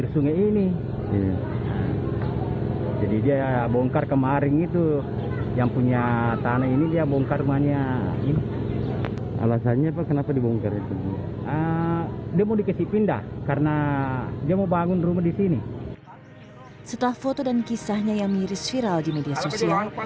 setelah foto dan kisahnya yang miris viral di media sosial